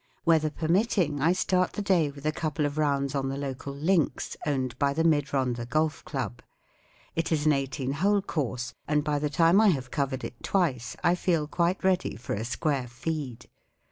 Weather permitting, I start the day with a couple of rounds on the local links, owned by the Mid Rhondda Golf Club* It is an eighteen hole course, and by the time I have covered it twice I fed quite ready for a square feed.